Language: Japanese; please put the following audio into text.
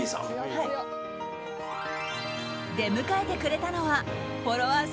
出迎えてくれたのはフォロワー